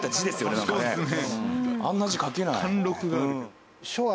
あんな字書けない。